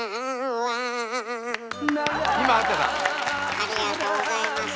ありがとうございます。